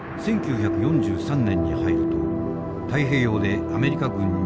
１９４３年に入ると太平洋でアメリカ軍に連敗。